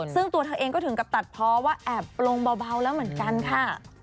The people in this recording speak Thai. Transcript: ซึ่งตัวเธอเองก็ถึงกับตัดเพราะว่าแอบลงเบาแล้วเหมือนกันค่ะ